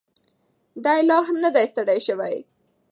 دی لا هم نه دی ستړی شوی.